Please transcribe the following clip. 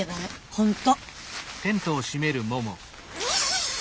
本当。